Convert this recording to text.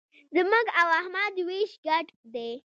زموږ او احمد وېش ګډ دی.